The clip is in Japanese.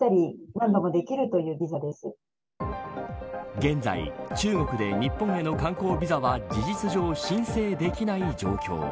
現在、中国で日本への観光ビザは事実上申請できない状況。